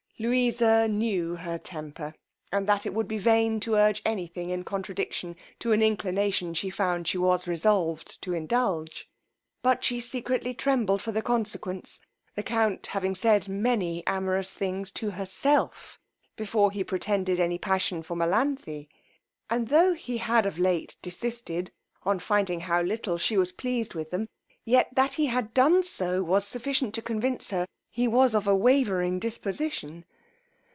Louisa knew her temper, and that it would be in vain to urge any thing in contradiction to an inclination she found she was resolved to indulge; but she secretly trembled for the consequence, the count having said many amorous things to herself before he pretended any passion for Melanthe; and tho' he had of late desisted on finding how little she was pleased with them, yet that he had done so was sufficient to convince her he was of a wavering disposition.